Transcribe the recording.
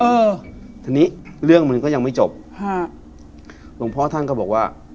เออทีนี้เรื่องมันก็ยังไม่จบฮะหลวงพ่อท่านก็บอกว่า